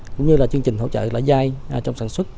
cũng như là chương trình hỗ trợ lãi dai trong sản xuất